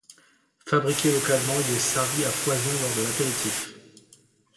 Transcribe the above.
Fabriqué localement, il est servi à foison lors de l'apéritif.